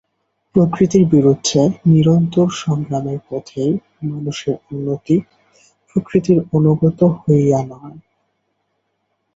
প্রকৃতির বিরুদ্ধে নিরন্তর সংগ্রামের পথেই মানুষের উন্নতি, প্রকৃতির অনুগত হইয়া নয়।